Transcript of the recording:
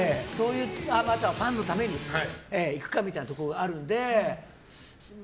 ファンのために行くかみたいなところがあるので。